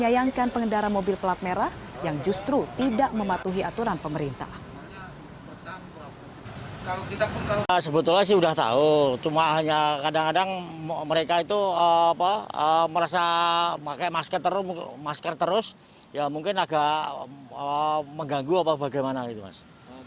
tidak menyayangkan pengendara mobil pelat merah yang justru tidak mematuhi aturan pemerintah